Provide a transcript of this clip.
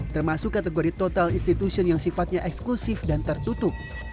termasuk kategori total institution yang sifatnya eksklusif dan tertutup